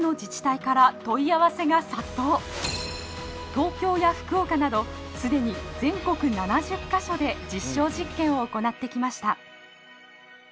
東京や福岡など既に全国７０か所で実証実験を行ってきました。